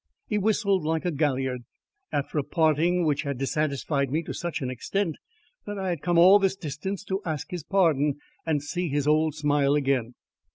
He whistling like a galliard, after a parting which had dissatisfied me to such an extent that I had come all this distance to ask his pardon and see his old smile again!